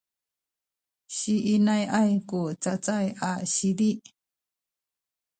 siinai’ay ku cacay a sizi